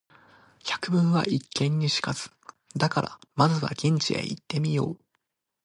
「百聞は一見に如かず」だから、まずは現地へ行ってみよう。